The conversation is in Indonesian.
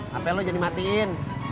hp lo jangan dimatiin